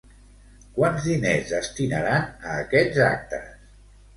Quants diners destinaran a aquests actes?